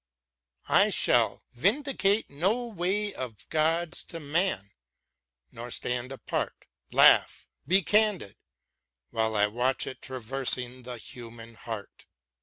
••••• I shall " vindicate no way of God's to man," nor stand apart, " Laugh, be candid !" while I watch it traversing the human heart.